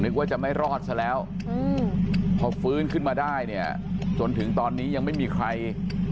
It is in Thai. ว่าจะไม่รอดซะแล้วพอฟื้นขึ้นมาได้เนี่ยจนถึงตอนนี้ยังไม่มีใคร